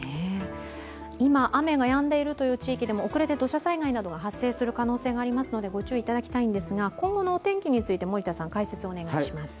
今雨がやんでいるという地域でも遅れて土砂災害が発生する可能性があるのでご注意いただきたいんですが、今後のお天気について森田さん、解説をお願いします。